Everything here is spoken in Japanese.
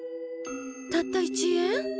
たった１円？